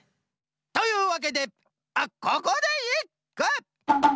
というわけでここでいっく！